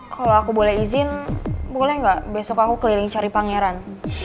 kalau aku boleh izin boleh nggak besok aku keliling cari pangeran